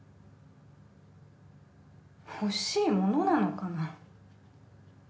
欲しいものなのかな？